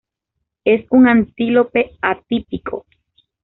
Es un antílope atípico.